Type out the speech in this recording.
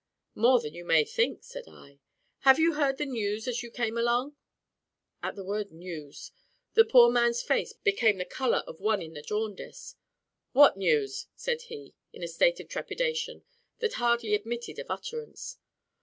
"More than you may think," said I. "Have you heard the news as you came along?" At the word "news," the poor man's face became the colour of one in the jaundice. "What news?" said he, in a state of trepidation that hardly admitted of utterance.